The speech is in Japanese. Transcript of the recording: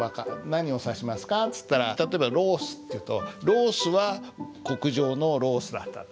何を指しますかっつったら例えば「ロース」って言うと「ロースは、極上のロースだった」って何か変でしょ？